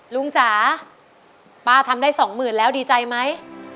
ลุงจ๋าป้าทำได้๒๐๐๐๐แล้วดีใจไหม